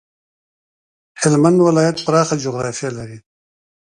هلمند ولایت پراخه جغرافيه لري.